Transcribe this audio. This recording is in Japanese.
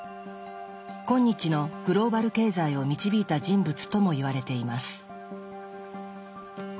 今日のグローバル経済を導いた人物とも言われています。